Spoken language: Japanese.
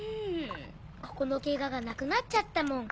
ここのケガがなくなっちゃったもん。